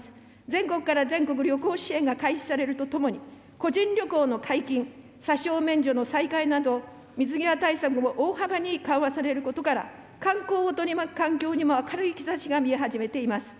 全国から全国旅行支援が開始されるとともに、個人旅行の解禁、査証免除の再開など、水際対策も大幅に緩和されることから、観光を取り巻く環境にも明るい兆しが見え始めています。